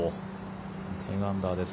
１０アンダーです。